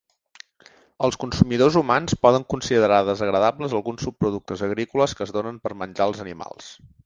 Els consumidors humans poden considerar desagradables alguns subproductes agrícoles que es donen per menjar als animals.